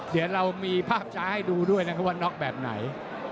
เดี๋ยวเรามีภาพสายให้ดูด้วยว่าน็แบบไหน